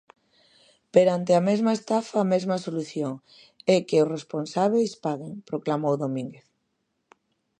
"Perante a mesma estafa a mesma solución e que os responsábeis, paguen", proclamou Domínguez.